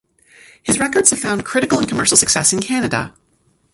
His records have found critical and commercial success in Canada.